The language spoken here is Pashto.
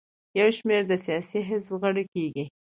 یو شمېر د سیاسي حزب غړي کیږي.